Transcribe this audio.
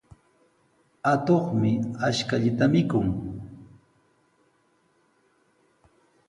Atuqmi ashkallata mikun.